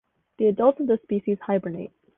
The adults of the species hibernate.